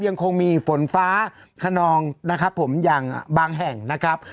ยังคงมีฝนฟ้าขนองนะครับผมอย่างบางแห่งนะครับ